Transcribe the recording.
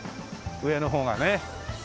上の方がね。